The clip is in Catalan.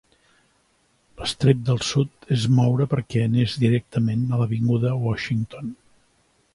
L'estrep del sud es moure per que anés directament a l'avinguda Washington.